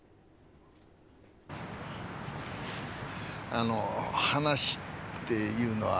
あの話っていうのはなあ博美。